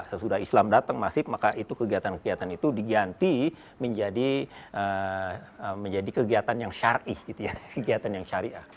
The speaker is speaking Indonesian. sesudah islam datang masif maka itu kegiatan kegiatan itu diganti menjadi kegiatan yang syariah